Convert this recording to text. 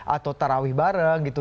atau tarawih bareng gitu